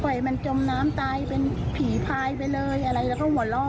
ปล่อยมันจมน้ำตายเป็นผีพลายไปเลย